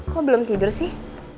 kok belum tidur sih